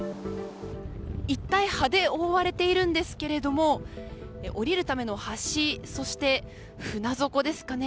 一帯、葉で覆われているんですけれども下りるための橋そして船底ですかね